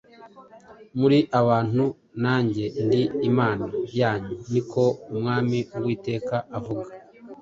muri abantu, nanjye ndi Imana yanyu, ni ko Umwami Uwiteka avuga.